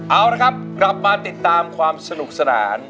เอาละครับกลับมาติดตามความสนุกสนาน